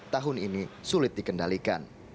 tahun ini sulit dikendalikan